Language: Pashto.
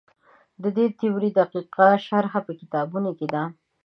د دې تیورۍ دقیقه شرحه په کتابونو کې ده.